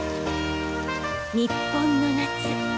日本の夏